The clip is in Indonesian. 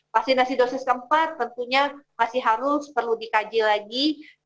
vaksinasi dosis keempat tentunya masih harus perlu dikaji lagi